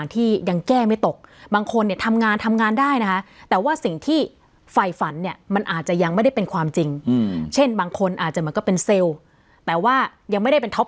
ที่เขาทำด้วยตัวของเขาเอง